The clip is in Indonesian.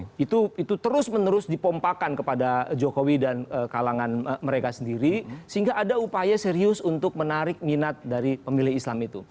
nah itu terus menerus dipompakan kepada jokowi dan kalangan mereka sendiri sehingga ada upaya serius untuk menarik minat dari pemilih islam itu